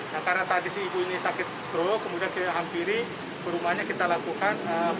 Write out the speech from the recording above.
nah karena tadi si ibu ini sakit stroke kemudian kita hampiri ke rumahnya kita lakukan